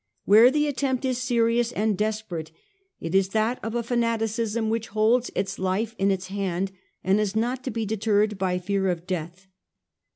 Where the attempt is serious and desperate, it is that of a fanaticism which holds its life in its hand, and is not to be deterred by fear of death.